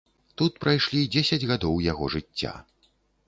Тут прайшлі дзесяць гадоў яго жыцця.